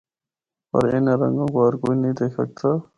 پر اِنّاں رَنگاں کو ہر کوئی نیں دکھ ہکدا۔